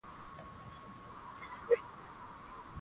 kwenye likizo sio ugumu wa kuvumilia uvumilivu